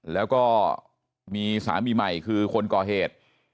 แล้วก็มีสามีใหม่คือคนก่อเหตุ